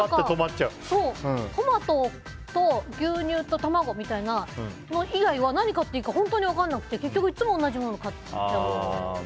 トマトと牛乳と卵みたいなの以外は何を買っていいか本当に分からなくて、いつも同じものを買っちゃう。